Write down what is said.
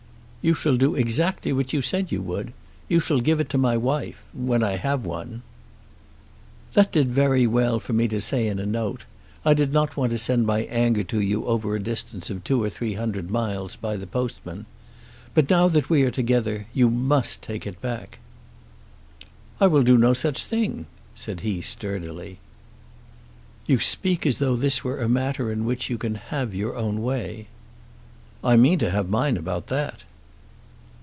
"You shall do exactly what you said you would. You shall give it to my wife, when I have one." "That did very well for me to say in a note. I did not want to send my anger to you over a distance of two or three hundred miles by the postman. But now that we are together you must take it back." "I will do no such thing," said he sturdily. "You speak as though this were a matter in which you can have your own way." "I mean to have mine about that."